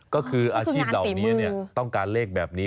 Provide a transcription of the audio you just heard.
ก็คืออาชีพเหล่านี้ต้องการเลขแบบนี้